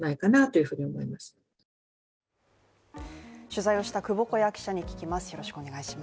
取材をした窪小谷記者に聞きます。